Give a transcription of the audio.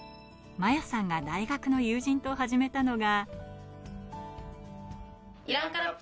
摩耶さんが大学の友人と始めたのが。